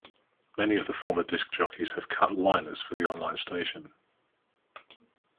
Many of the former disc jockeys have cut liners for the online station.